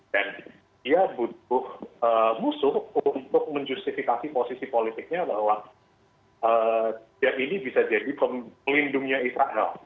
dan dia butuh musuh untuk menjustifikasi posisi politiknya bahwa dia ini bisa jadi pelindungnya israel